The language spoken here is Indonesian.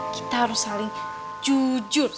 kita harus saling jujur